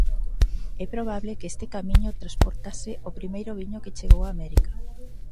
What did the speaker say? É probable que este camiño transportase o primeiro viño que chegou a América.